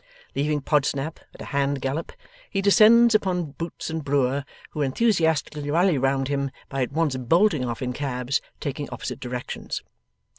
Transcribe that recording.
Leaving Podsnap, at a hand gallop, he descends upon Boots and Brewer, who enthusiastically rally round him by at once bolting off in cabs, taking opposite directions.